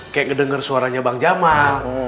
kayak ngedenger suaranya bang jaman